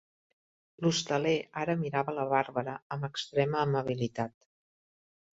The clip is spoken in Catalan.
L'hostaler ara mirava la Bàrbara amb extrema amabilitat.